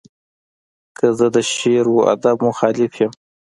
که زه د شعر و ادب مخالف یم.